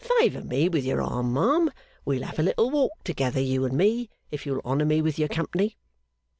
Favour me with your arm, ma'am; we'll have a little walk together, you and me, if you'll honour me with your company.